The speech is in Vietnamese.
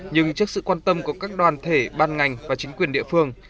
nhưng trước sự quan tâm của các đoàn thể ban ngành và chính quyền địa phương